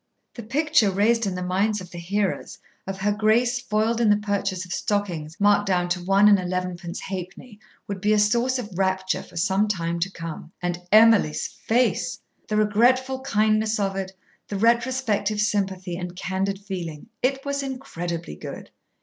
The picture raised in the minds of the hearers of her Grace foiled in the purchase of stockings marked down to 1_s_. 11 1/2_d_. would be a source of rapture for some time to come. And Emily's face! The regretful kindness of it, the retrospective sympathy and candid feeling! It was incredibly good!